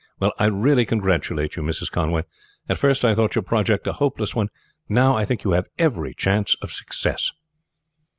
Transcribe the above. Well, I really congratulate you, Mrs. Conway. At first I thought your project a hopeless one; now I think you have every chance of success."